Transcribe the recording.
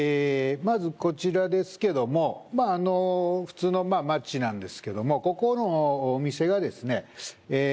まずこちらですけどもまああの普通の街なんですけどもここのお店がですねえー